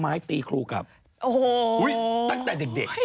นั่นไงเพราะตั้งแต่เด็กหรือเหรอเออ